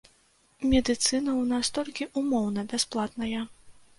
Медыцына ў нас толькі ўмоўна бясплатная.